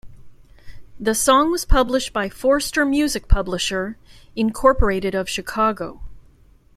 The song was published by Forster Music Publisher, Incorporated of Chicago.